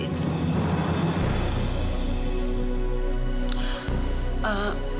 bantuan alat itu